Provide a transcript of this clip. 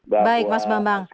baik mas bambang